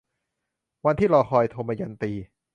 วันที่รอคอย - ทมยันตี